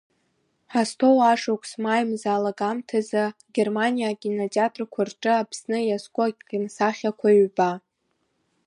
Ҳазҭоу ашықәс маи мза алагамҭазы Германиа акинотеатрқәа рҿы Аԥсны иазку акиносахьақәа ҩба…